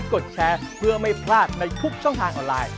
โหดึงอืมเออโหโหโหไปเออไป